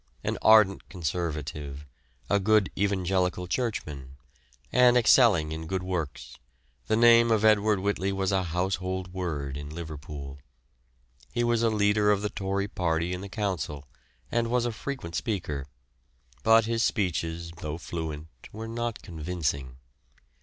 An ardent Conservative, a good Evangelical Churchman, and excelling in good works, the name of Edward Whitley was a household word in Liverpool. He was the leader of the Tory party in the Council, and was a frequent speaker, but his speeches, though fluent, were not convincing.